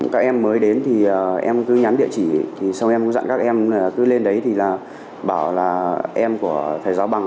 các em mới đến thì em cứ nhắn địa chỉ sau em cũng dặn các em cứ lên đấy thì là bảo là em của thầy giáo bằng